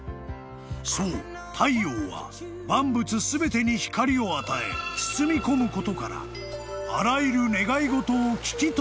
［そう太陽は万物全てに光を与え包み込むことから］